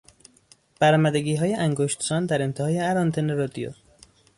برآمدگیهای انگشتسان در انتهای هر آنتن رادیو